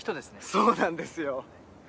そうなんですよ。